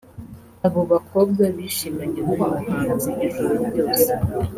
Abo bakobwa bishimanye n’uyu muhanzi ijoro ryose